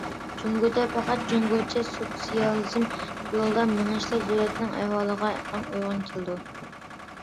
جۇڭگودا پەقەت جۇڭگوچە سوتسىيالىزم يولىدا مېڭىشلا دۆلەتنىڭ ئەھۋالىغا ئەڭ ئۇيغۇن كېلىدۇ.